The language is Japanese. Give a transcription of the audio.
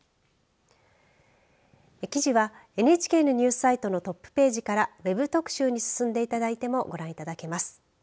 記事はＮＨＫのニュースサイトのトップページからＷＥＢ特集に進んでいただいてもご覧いただけます。